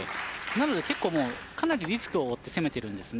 なので、かなりリスクを負って攻めているんです。